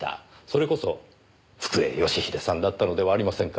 それこそ福栄義英さんだったのではありませんか？